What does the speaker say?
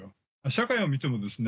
社会を見てもですね